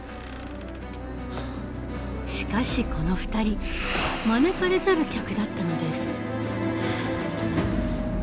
しかしこの２人招かれざる客だったのです。